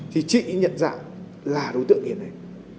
thì chị nhận dạng là đối tượng hiền này